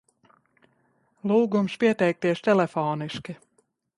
Lūgums pieteikties telefoniski!